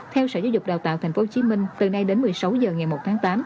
theo sở giáo dục đào tạo tp hcm từ nay đến một mươi sáu h ngày một tháng tám